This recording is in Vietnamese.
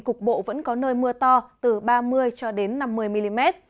cục bộ vẫn có nơi mưa to từ ba mươi cho đến năm mươi mm